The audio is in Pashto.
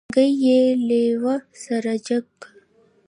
منګلی يې لېوه سره جګ که.